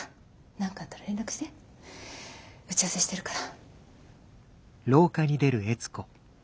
何かあったら連絡して打ち合わせしてるから。